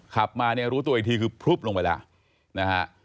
ขับมานะรู้ตัวอีกทีคือพลุบลงไปแล้ว